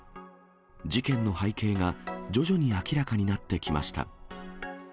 事件の背景が、徐々に明らかになってきました。